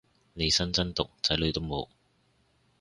利申真毒仔女都冇